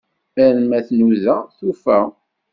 Arma tnuda tufa.